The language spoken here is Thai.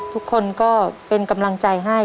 ทุกคนก็เป็นกำลังใจให้